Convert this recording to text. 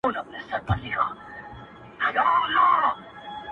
ژوندی انسان و حرکت ته حرکت کوي